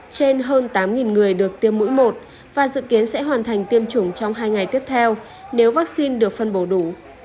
trên hơn tám người được tiêm mũi một và dự kiến sẽ hoàn thành tiêm chủng trong hai ngày tiếp theo nếu vaccine được phân bổ đủ